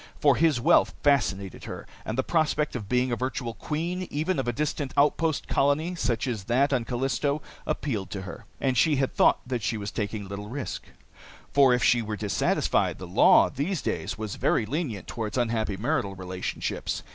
For his wealth fascinated her, and the prospect of being a virtual queen, even of a distant outpost colony such as that on Callisto, appealed to her. And she had thought that she was taking little risk, for if she were dissatisfied, the law these days was very lenient toward unhappy marital relationships.